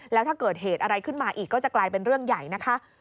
แล้วถ้าเกิดเหตุอะไรขึ้นมาอีกก็จะกลายเป็นเรื่องใหญ่นะคะ